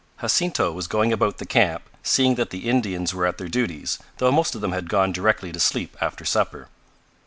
Jacinto was going about the camp, seeing that the Indians were at their duties, though most of them had gone directly to sleep after supper.